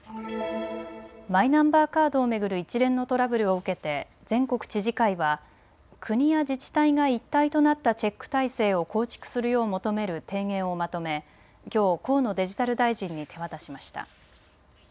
マイナンバーカードを巡る一連のトラブルを受けて全国知事会は国や自治体が一体となったチェック体制を構築するよう求める提言をまとめ、きょう河野デジタル大臣に手渡しました。